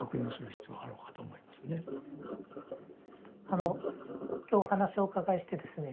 あの今日お話をお伺いしてですね